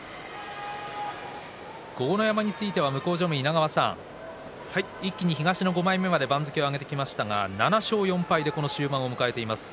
豪ノ山については向正面の稲川さん、一気に東の５枚目まで番付を上げてきましたが７勝４敗でこの終盤を迎えています。